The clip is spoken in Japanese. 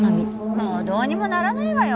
もうどうにもならないわよ